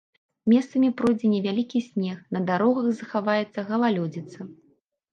Месцамі пройдзе невялікі снег, на дарогах захаваецца галалёдзіца.